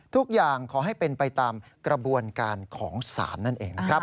ขอให้เป็นไปตามกระบวนการของศาลนั่นเองนะครับ